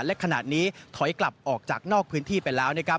และขณะนี้ถอยกลับออกจากนอกพื้นที่ไปแล้วนะครับ